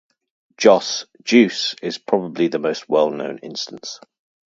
"Jos" - "juice" is probably the most well-known instance.